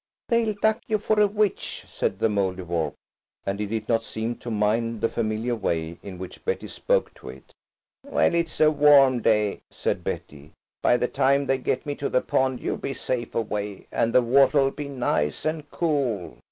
"They'll duck you for a witch," said the Mouldiwarp, and it did not seem to mind the familiar way in which Betty spoke to it. "Well, it's a warm day," said Betty; "by the time they get me to the pond you'll be safe away. And the water'll be nice and cool."